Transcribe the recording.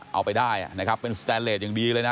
เอาไปได้นะครับเป็นสแตนเลสอย่างดีเลยนะ